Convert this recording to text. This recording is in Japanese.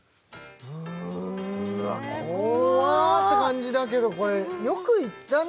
うーわっ怖って感じだけどこれよく行ったね